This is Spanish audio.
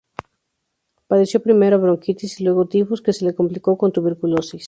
Padeció primero bronquitis y luego tifus, que se le complicó con tuberculosis.